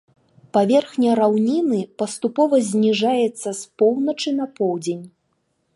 Паверхня раўніны паступова зніжаецца з поўначы на поўдзень.